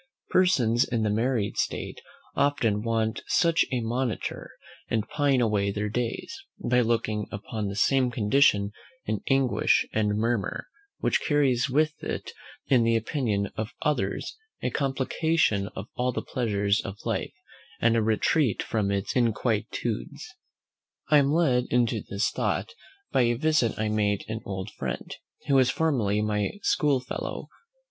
Persons in the married state often want such a monitor; and pine away their days, by looking upon the same condition in anguish and murmur, which carries with it in the opinion of others a complication of all the pleasures of life, and a retreat from its inquietudes. I am led into this thought by a visit I made an old friend, who was formerly my school fellow.